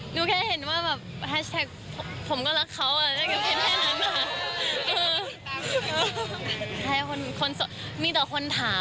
หนูแค่เห็นว่าแฮชแท็กส์ผมก็รักเขาแค่นั้นแต่